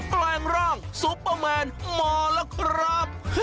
แปลงร่างซูเปอร์แมนหมอแล้วครับ